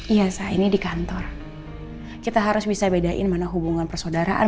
iya saya ini di kantor kita harus bisa bedain mana hubungan persaudaraan